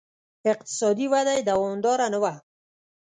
اقتصادي وده یې دوامداره نه وه